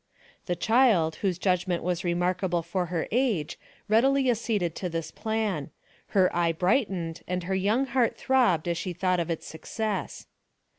The child, whose judgment was remarkable for hei age, readily acceded to this plan; her eye brightened and her young heart throbbed as she thought of its success.